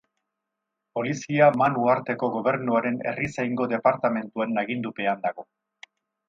Polizia Man Uharteko Gobernuaren herrizaingo departamentuaren agindupean dago.